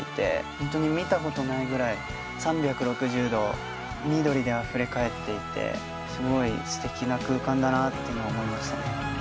ホントに見たことないぐらい３６０度緑であふれ返っていてすごいすてきな空間だなっていうの思いましたね。